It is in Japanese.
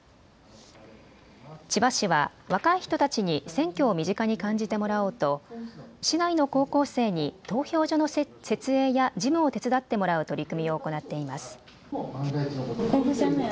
千葉市は若い人たちに選挙を身近に感じてもらおうと市内の高校生に投票所の設営や事務を手伝ってもらう取り組みを行っています。